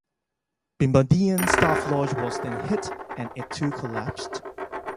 Bimbadeen Staff Lodge was then hit, and it too collapsed.